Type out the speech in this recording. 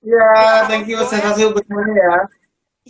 ya terima kasih buat semua ya